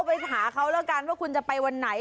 ไปหาเขาแล้วกันว่าคุณจะไปวันไหน